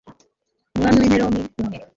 umwami w'i meromi, umwe